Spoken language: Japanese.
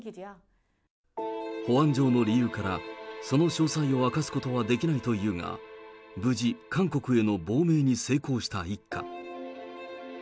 保安上の理由から、その詳細を明かすことはできないというが、無事、韓国への亡命に成功した一家。